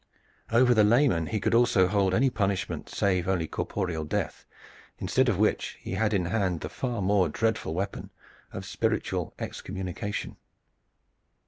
Over the layman also he could hold any punishment save only corporeal death, instead of which he had in hand the far more dreadful weapon of spiritual excommunication.